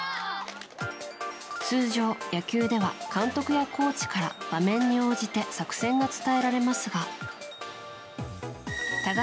通常、野球では監督やコーチから場面に応じて作戦が伝えられますが多賀